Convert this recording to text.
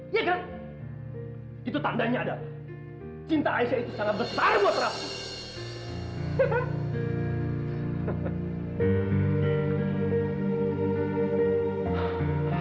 ya kan itu tandanya adalah cinta aisyah itu sangat besar buat raff